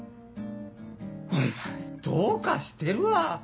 お前どうかしてるわ。